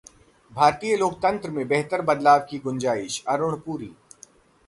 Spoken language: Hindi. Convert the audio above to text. भारतीय लोकतंत्र में बेहतर बदलाव की गुंजाइश: अरूण पुरी